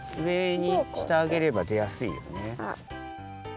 上にしてあげればでやすいよね。